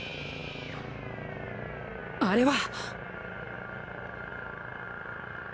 あれは！？